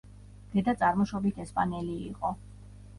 დედა წარმოშობით ესპანელი იყო.